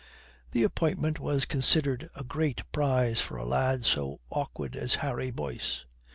The appointment was considered a great prize for a lad so awkward as Harry Boyce.